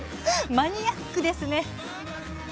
マニアックですね。